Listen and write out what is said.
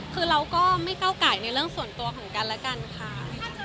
คือเราก็ไม่ก้าวไก่ในเรื่องส่วนตัวของกันและกันค่ะ